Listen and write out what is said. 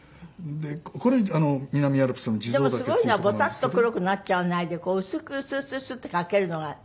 でもすごいのはボタッと黒くなっちゃわないで薄くスッスッスッて描けるのが。